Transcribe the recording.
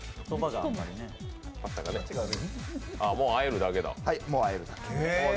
もうあえるだけ。